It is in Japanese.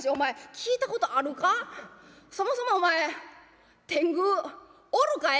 そもそもお前天狗おるかえ？」。